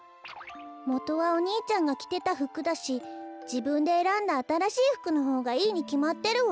もとはお兄ちゃんがきてたふくだしじぶんでえらんだあたらしいふくのほうがいいにきまってるわ。